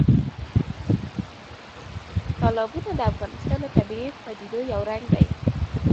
تالابونه د افغانستان د طبیعي پدیدو یو رنګ دی.